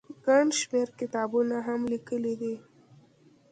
ګڼ شمېر کتابونه هم ليکلي دي